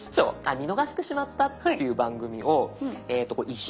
見逃してしまったっていう番組を１週間ですかね